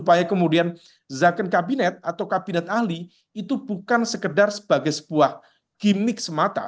supaya kemudian zakon kabinet atau kabinet ahli itu bukan sekedar sebagai sebuah gimmick semata